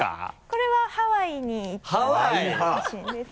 これはハワイに行った際の写真です。